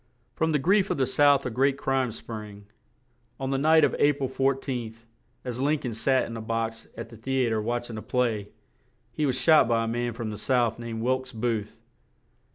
From the grief of the South a great crime sprang; on the night of A pril 14th, as Lin coln sat in a box at the the a tre watch ing a play he was shot by a man from the South named Wilkes Booth.